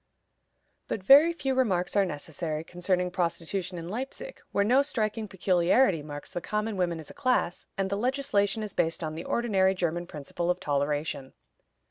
But very few remarks are necessary concerning prostitution in Leipzig, where no striking peculiarity marks the common women as a class, and the legislation is based on the ordinary German principle of toleration.